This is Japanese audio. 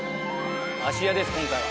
芦屋です今回は。